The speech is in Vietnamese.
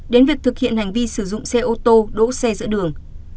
đến việc thực hiện hành vi sử dụng xe ô tô đỗ xe giữa đường